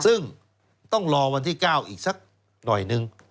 ซึ่งต้องรอวันที่๙อีกสักหน่อยนึง